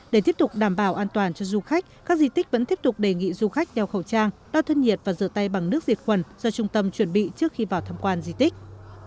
để tiếp tục đảm bảo an toàn cho du khách các di tích vẫn tiếp tục đề nghị du khách đeo khẩu trang đo thân nhiệt và rửa tay bằng nước diệt quần do trung tâm chuẩn bị trước khi vào thăm quan di tích